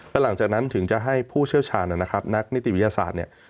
แล้วหลังจากนั้นถึงจะให้ผู้เชี่ยวชาญนะครับนักนิติวิทยาศาสตร์เนี่ย